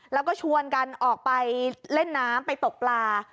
แล้วก็ชวนกันออกไปเล่นน้ำไปตกปลา